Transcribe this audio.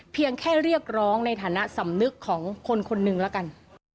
เพียงแค่เรียกร้องในฐานะสำนึกของคนคนหนึ่งละกัน